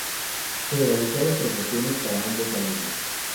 Se realizaron promociones para ambos álbumes.